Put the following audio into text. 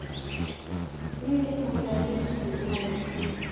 نوې هوښیاري ستونزې حلوي